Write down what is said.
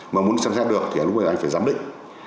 mà muốn xét được thì lúc này anh phải giám định